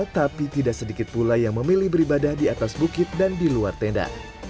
tapi tidak sedikit pula yang memilih beribadah di atas bukit dan di luar tenda